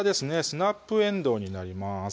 スナップえんどうになります